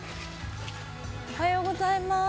おはようございます。